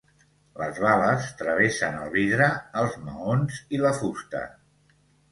Les bales travessen el vidre, els maons i la fusta.